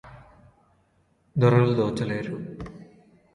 దొరలు దోచలేరు